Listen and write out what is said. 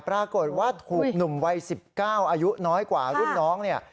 ปรากฏว่าหนุ่มวัย๑๙ปีอายุน้อยกว่ารุ่นน้อง